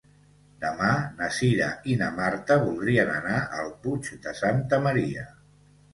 Demà na Cira i na Marta voldrien anar al Puig de Santa Maria.